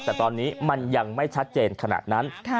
แต่ตอนนี้มันยังไม่ชัดเจนขนาดนั้น